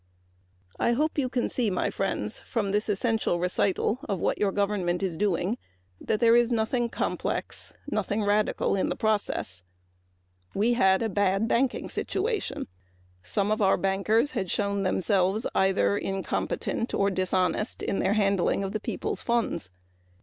I hope you can see from this elemental recital of what your government is doing that there is nothing complex, or radical, in the process. We had a bad banking situation. Some of our bankers had shown themselves either incompetent or dishonest in their handling of the people's funds.